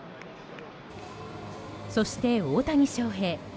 そして大谷翔平。